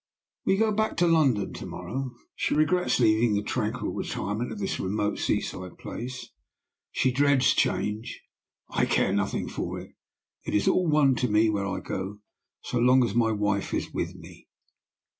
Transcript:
"We go back to London to morrow. She regrets leaving the tranquil retirement of this remote sea side place she dreads change. I care nothing for it. It is all one to me where I go, so long as my wife is with me."